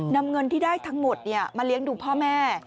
นำเงินที่ได้ทั้งหมดมาเลี้ยงดูพ่อแม่